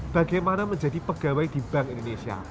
bagaimana menjadi pegawai di bank indonesia